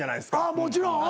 もちろん。